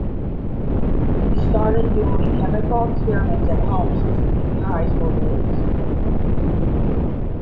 He started doing chemical experiments at home since his junior high school days.